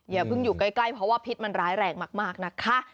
อย่าเพิ่งอยู่ใกล้เพราะว่าพิษมันร้ายแรงมากนะคะ